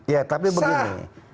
ya tapi begini